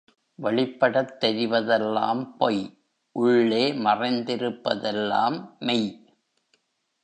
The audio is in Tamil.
வெளிப்படத் தெரிவதெல்லாம் பொய் உள்ளே மறைந்திருப்பதெல்லாம் மெய்.